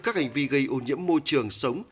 các hành vi gây ô nhiễm môi trường sống